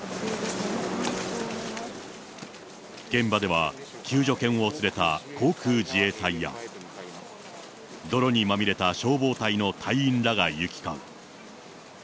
現場では救助犬を連れた航空自衛隊や、泥にまみれた消防隊の隊員らが行き交う。